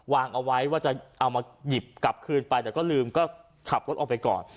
วางเอาไว้ว่าจะเอามาหยิบกลับคืนไปแต่ก็ลืมก็ขับรถออกไปก่อน